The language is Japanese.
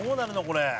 これ。